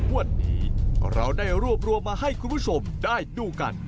วันนี้เราได้รวบรวมมาให้คุณผู้ชมได้ดูกัน